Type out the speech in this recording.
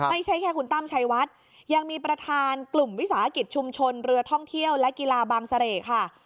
ไม่ใช่แค่คุณตั้มชัยวัดยังมีประธานกลุ่มวิสาหกิจชุมชนเรือท่องเที่ยวและกีฬาบางเสร่ค่ะ